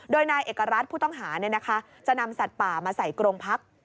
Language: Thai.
โดยนายเอกรัฐผู้ต้องหาจะนำสัตว์ป่ามาใส่โรงพัก